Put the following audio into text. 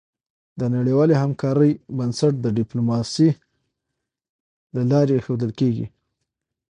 د نړیوالې همکارۍ بنسټ د ډيپلوماسی له لارې ایښودل کېږي.